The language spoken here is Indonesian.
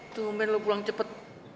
tuh men lo pulang cepet